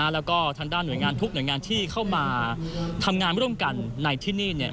แล้วก็ทางด้านหน่วยงานทุกหน่วยงานที่เข้ามาทำงานร่วมกันในที่นี่